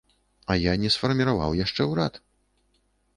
А я не сфарміраваў яшчэ ўрад.